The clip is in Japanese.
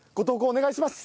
お願いします。